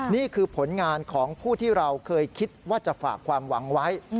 นี่คือผลงานของผู้ที่เราเคยคิดว่าจะฝากความหวังไว้